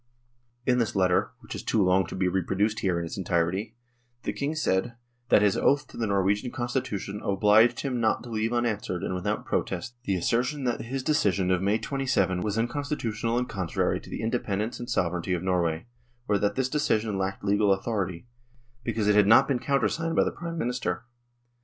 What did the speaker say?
In this letter, which is too long to be reproduced here in its entirety, the King said, " that his oath to the Norwegian Constitution obliged him not to leave unanswered and without protest the assertion that his decision of May 27 was unconstitutional and con trary to the independence and sovereignty of Norway, or that this decision lacked legal authority, because it had not been countersigned by the Prime Minister.